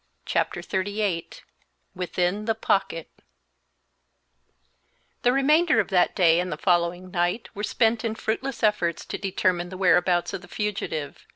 Chapter XXXVIII WITHIN THE "POCKET" The remainder of that day and the following night were spent in fruitless efforts to determine the whereabouts of the fugitive.